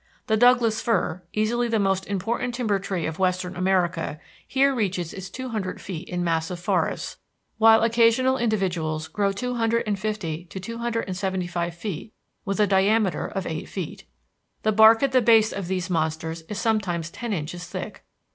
The Douglas fir, easily the most important timber tree of western America, here reaches its two hundred feet in massive forests, while occasional individuals grow two hundred and fifty to two hundred and seventy feet with a diameter of eight feet. The bark at the base of these monsters is sometimes ten inches thick.